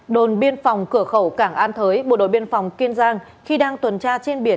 đồn biên phòng cửa khẩu cảng an thới bộ đội biên phòng kiên giang khi đang tuần tra trên biển